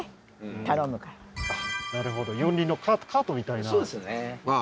バイクなるほど４輪のカートみたいなああ